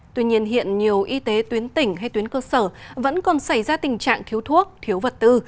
tuy nhiên hiện nhiều y tế tuyến tỉnh hay tuyến cơ sở vẫn còn xảy ra tình trạng thiếu thuốc thiếu vật tư